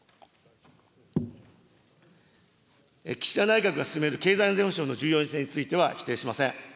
岸田内閣が進める経済安全保障の重要性については否定しません。